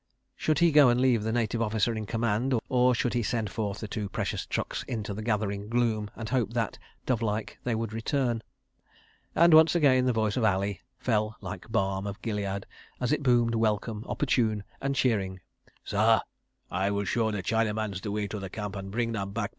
... Should he go and leave the Native Officer in command, or should he send forth the two precious trucks into the gathering gloom and hope that, dove like, they would return? ... And again the voice of Ali fell like balm of Gilead, as it boomed, welcome, opportune and cheering. "Sah, I will show the Chinamans the way to camp and bring them back P.